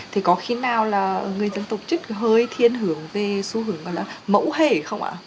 thì có khi nào là người dân tộc chứt hơi thiên hưởng về xu hướng mẫu hề không ạ